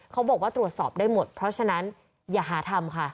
เขาบอกว่าตรวจสอบได้หมดเพราะฉะนั้นอย่าหาทำค่ะ